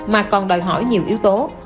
mà còn đòi hỏi nhiều yếu tố